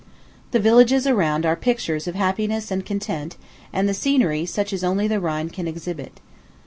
The villages around are pictures of happiness and content, and the scenery such as only the Rhine can exhibit.